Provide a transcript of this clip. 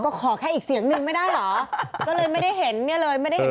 ก็ขอแค่อีกเสียงนึงไม่ได้เหรอ